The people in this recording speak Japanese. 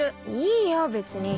いいよ別に。